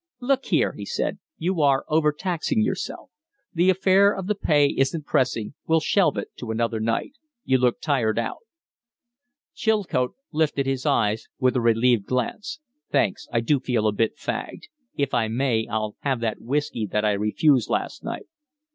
"Look here," he said, "you are overtaxing yourself. The affair of the pay isn't pressing; we'll shelve it to another night. You look tired out." Chilcote lifted his eyes with a relieved glance. "Thanks. I do feel a bit fagged. If I may, I'll have that whiskey that I refused last night."